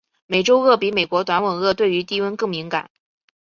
美洲鳄比美国短吻鳄对于低温更敏感。